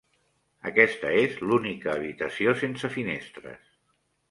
Aquesta és l'única habitació sense finestres.